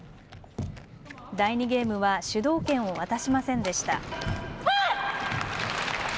第２ゲームは主導権を渡しませんでした。